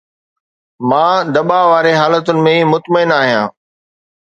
مان دٻاءُ واري حالتن ۾ مطمئن آهيان